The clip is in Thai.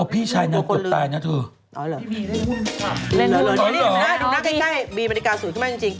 พี่ชายนั้นจบตายนะเธอเล่นละครดูหน้าใกล้บีมันดิการสวยขึ้นมาจริง